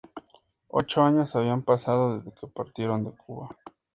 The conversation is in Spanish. Ocho años habían pasado desde que partieron de Cuba.